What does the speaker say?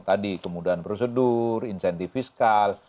tadi kemudahan prosedur insentif fiskal